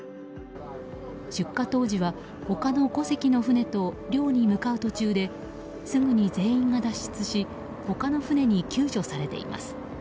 出火当時は他の５隻の船と漁に向かう途中ですぐに全員が脱出し他の船に救助されています。